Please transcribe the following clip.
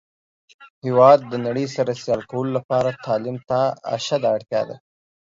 هیواد د نړۍ سره سیال کولو لپاره تعلیم ته اشده اړتیا ده.